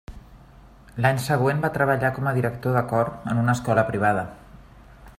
L'any següent va treballar com a director de cor en una escola privada.